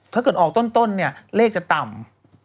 ถ้าเกิดออกต้นเนี่ยเลขจะต่ำ